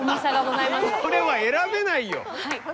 これは選べないよ。